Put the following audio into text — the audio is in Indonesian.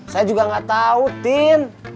saya juga gak tau tin